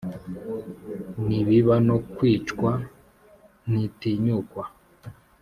ni biba no kwicwa ntitinyukwa,